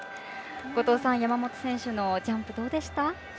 後藤さん山本さんのジャンプどうでした。